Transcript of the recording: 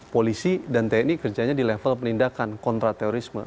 polisi dan teknik kerjanya di level penindakan kontra terorisme